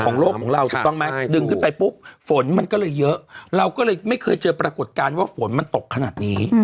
โลกของเราถูกต้องไหมดึงขึ้นไปปุ๊บฝนมันก็เลยเยอะเราก็เลยไม่เคยเจอปรากฏการณ์ว่าฝนมันตกขนาดนี้